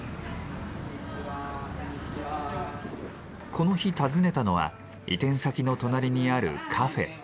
この日訪ねたのは移転先の隣にあるカフェ。